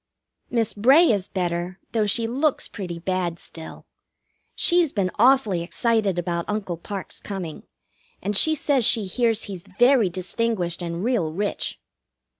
Miss Bray is better, though she looks pretty bad still. She's been awfully excited about Uncle Parke's coming, and she says she hears he's very distinguished and real rich.